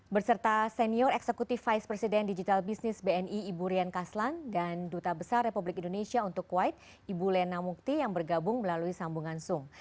berserta senior eksekutif vice president digital business bni ibu rian kaslan dan duta besar republik indonesia untuk kuwait ibu lena mukti yang bergabung melalui sambungan zoom